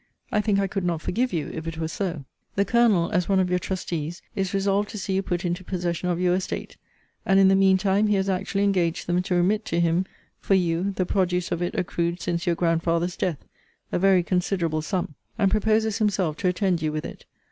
I think I could not forgive you, if it were so. * See Letter XXIII. ibid. The Colonel (as one of your trustees) is resolved to see you put into possession of your estate: and, in the mean time, he has actually engaged them to remit to him for you the produce of it accrued since your grandfather's death, (a very considerable sum;) and proposes himself to attend you with it.